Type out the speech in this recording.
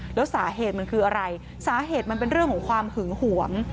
แล้วสาเหตุมันคืออะไรสาเหตุมันเป็นเรื่องของความหึงหวง